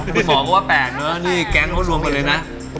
คุณหมอก็ว่า๘เนอะนี่แก๊งเขารวมกันเลยนะ